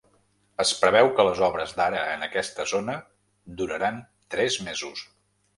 Es preveu que les obres d’ara en aquesta zona duraran tres mesos.